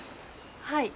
はい。